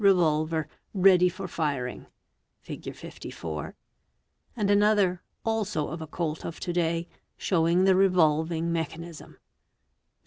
Revolver read; for firing, Fig. 54 and another, also of a "Colt" of to day, showing th revolving mechanism, Fig.